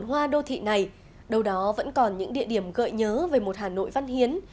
hoa đô thị này đâu đó vẫn còn những địa điểm gợi nhớ về một hà nội văn hiến